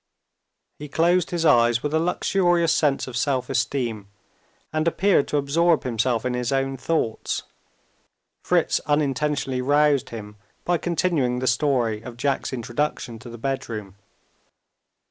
He closed his eyes with a luxurious sense of self esteem, and appeared to absorb himself in his own thoughts. Fritz unintentionally roused him by continuing the story of Jack's introduction to the bedroom.